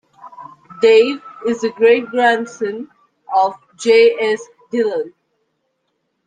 Dave is the great grandson of J. S. Dillon.